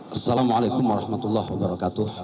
assalamu'alaikum warahmatullahi wabarakatuh